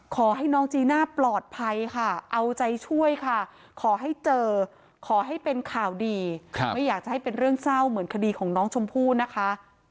ไม่อยากจะให้เป็นเรื่องเศร้าเหมือนคดีของน้องชมพู่นะคะ